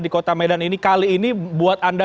di kota medan ini kali ini buat anda